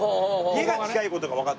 家が近い事がわかって。